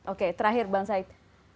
oke terakhir bang said